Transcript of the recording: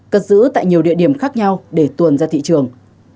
cất giữ tại nhiều địa điểm khác nhau để tuồn ra thị trường